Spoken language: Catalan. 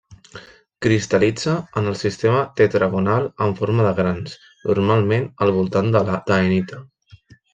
Cristal·litza en el sistema tetragonal en forma de grans, normalment al voltant de la taenita.